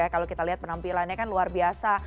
kalau kita lihat penampilannya kan luar biasa